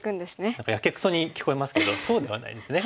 何かやけくそに聞こえますけどそうではないんですね。